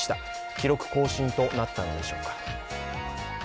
記録更新となったのでしょうか。